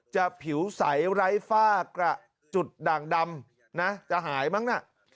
ผิวใสไร้ฝ้ากระจุดด่างดำนะจะหายมั้งน่ะ